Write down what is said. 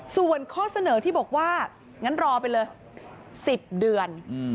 ส่วนข้อเสนอที่บอกว่างั้นรอไปเลย๑๐เดือน